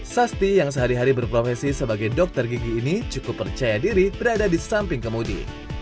sasti yang sehari hari berprofesi sebagai dokter gigi ini cukup percaya diri berada di samping kemudi